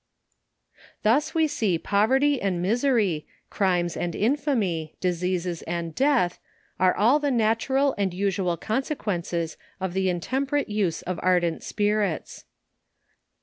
Thus we see poverty and misery, crimes and infamy, diseases and death, are all the natural and usual conse quences of the intemperate use of ardent spirits.